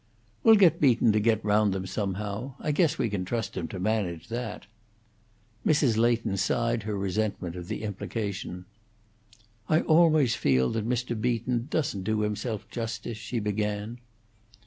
"We'll get Beaton to get round them, somehow. I guess we can trust him to manage that." Mrs. Leighton sighed her resentment of the implication. "I always feel that Mr. Beaton doesn't do himself justice," she began.